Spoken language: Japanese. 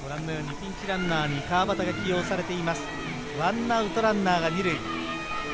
ピンチランナーに川畑が起用されています。